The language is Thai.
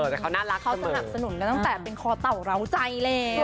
แต่เขาน่ารักเขาสนับสนุนกันตั้งแต่เป็นคอเต่าเหล้าใจแล้ว